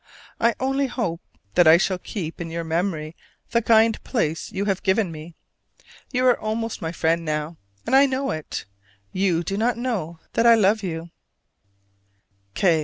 I only hope that I shall keep in your memory the kind place you have given me. You are almost my friend now, and I know it. You do not know that I love you.